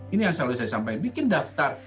ini yang selalu saya sampaikan bikin daftar